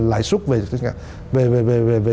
lãi suất về